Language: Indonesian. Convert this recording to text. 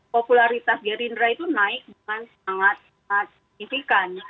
popularitas gerindra itu naik dengan sangat signifikan